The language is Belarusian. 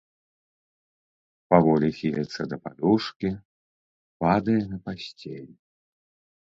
Паволі хіліцца да падушкі, падае на пасцель.